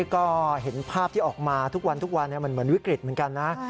ก็เห็นภาพที่ออกมาทุกวันทุกวันมันเหมือนวิกฤตเหมือนกันนะ